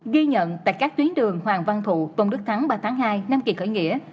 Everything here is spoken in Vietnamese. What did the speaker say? ghi nhận tại các tuyến đường hoàng văn thụ tôn đức thắng ba tháng hai năm kỳ khởi nghĩa